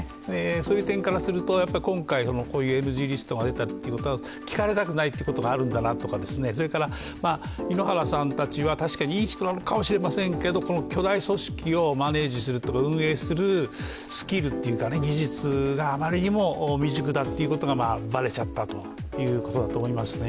そういう点からすると今回、こういうＮＧリストが出たってことは聞かれたくないことがあるんだなとか、井ノ原さんたちは確かにいい人なのかもしれませんけど、巨大組織をマネージする、運営するスキルっていうか技術があまりにも未熟だっていうことがばれちゃったということだと思いますね。